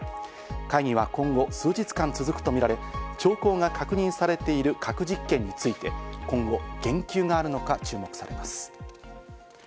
会議は今後数日間続くとみられ、兆候が確認されている核実験について、今後、言及があるのか注目されます。